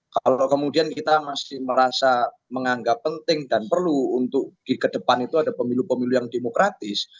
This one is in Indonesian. kalau kemudian kita masih merasa menganggap penting dan perlu untuk di kedepan itu ada pemilu pemilu yang demokratis